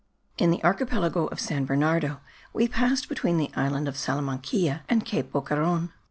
In the archipelago of San Bernardo we passed between the island of Salamanquilla and Cape Boqueron.